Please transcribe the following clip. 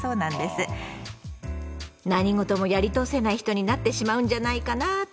何事もやり通せない人になってしまうんじゃないかなと心配なんだそうです。